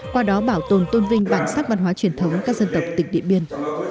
qua đó bảo tồn tôn vinh bản sắc văn hóa truyền thống các dân tộc tỉnh điện biên